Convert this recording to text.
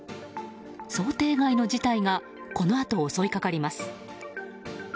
想定外の事態がこのあと、襲いかかります。